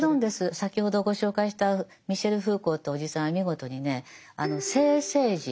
先ほどご紹介したミシェル・フーコーというおじさんは見事にね「生政治」。